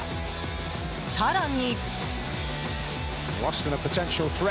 更に。